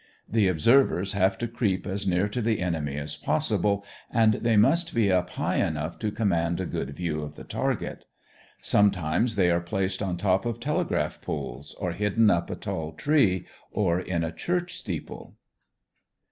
The observers have to creep as near to the enemy as possible and they must be up high enough to command a good view of the target. Sometimes they are placed on top of telegraph poles or hidden up a tall tree, or in a church steeple.